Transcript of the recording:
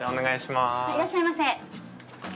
いらっしゃいませ。